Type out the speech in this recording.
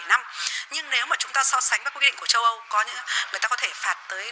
nhưng nếu mà chúng ta so sánh với quy định của châu âu người ta có thể phạt tới